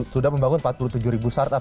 sudah membangun empat puluh tujuh ribu startup